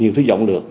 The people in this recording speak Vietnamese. nhiều thứ giọng được